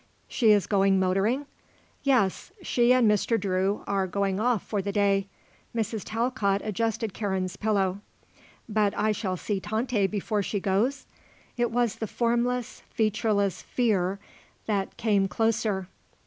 "She is going motoring?" "Yes, she and Mr. Drew are going off for the day." Mrs. Talcott adjusted Karen's pillow. "But I shall see Tante before she goes?" It was the formless, featureless fear that came closer.